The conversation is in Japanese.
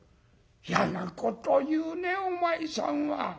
「嫌なこと言うねお前さんは。